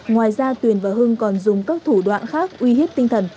ngoài ra tuyền và hưng còn dùng các thủ đoạn khác uy hiếp tinh thần